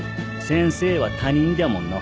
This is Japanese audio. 先生は他人じゃもんの。